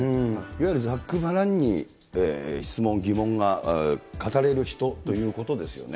いわゆるざっくばらんに質問、疑問が語れる人ということですよね。